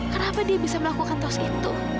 kenapa dia bisa melakukan taos itu